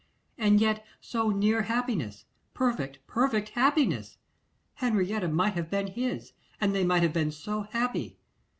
And yet so near happiness, perfect, perfect happiness! Henrietta might have been his, and they might have been so happy!